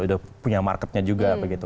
udah punya marketnya juga begitu